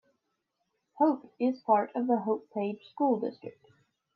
Hope is part of the Hope-Page School District.